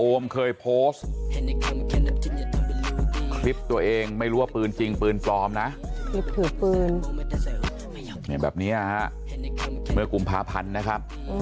โอมเคยโพสต์คลิปตัวเองไม่รัวปืนจริงปืนจริงเลยนะ